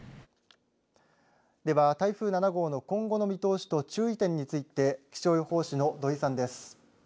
では台風７号の今後の見通しと注意点について気象予報士の土井さんです。